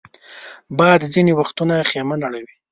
باد ځینې وخت خېمه نړوي